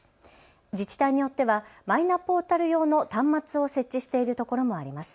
自治体によってはマイナポータル用の端末を設置しているところもあります。